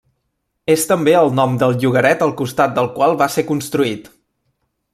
És també el nom del llogaret al costat del qual va ser construït.